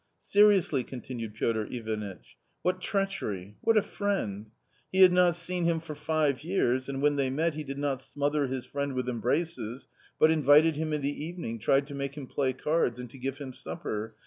" Seriously," continued Piotr Ivanitch, " what treachery ! what a friend ! he had not seen him for five years, and when they met he did not smother his friend with embraces, but invited him in the evening, tried to make him play cards, and to give him supper.